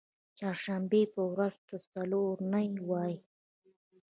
چهارشنبې ورځی ته څلور نۍ وایی